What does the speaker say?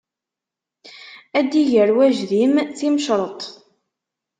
Ar d-iger wajdim timceḍt.